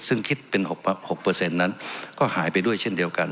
ซึ่งคิดเป็น๖นั้นก็หายไปด้วยเช่นเดียวกัน